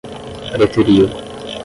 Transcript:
preteriu